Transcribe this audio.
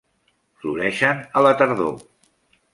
Floreixen a la tardor.